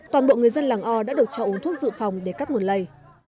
toàn bộ người dân làng o đã được cho uống thuốc dự phòng để cắt nguồn lây